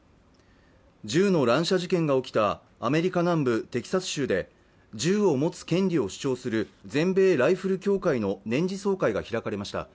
銃の乱射事件が起きたアメリカ南部テキサス州で銃を持つ権利を主張する全米ライフル協会の年次総会が開かれました